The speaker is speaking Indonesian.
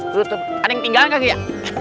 tutup ada yang tinggalin gak sih ya